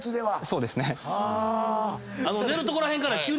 そうですね。